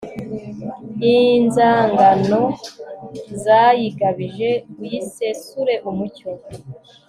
inzangano zayigabije, uyisesure umucyo